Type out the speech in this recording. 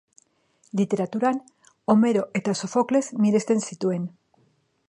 Literaturan, Homero eta Sofokles miresten zituen.